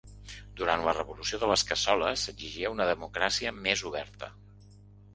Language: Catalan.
Durant la revolució de les cassoles s’exigia una democràcia més oberta.